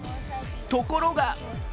ところが。